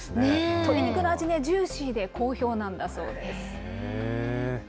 鶏肉の味ね、ジューシーで好評なんだそうです。